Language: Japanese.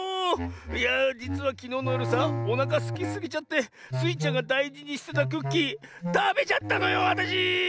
いやあじつはきのうのよるさおなかすきすぎちゃってスイちゃんがだいじにしてたクッキーたべちゃったのよわたし！